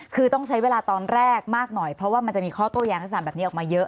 คือต้องใช้เวลาตอนแรกมากหน่อยเพราะว่ามันจะมีข้อโต้แย้งลักษณะแบบนี้ออกมาเยอะ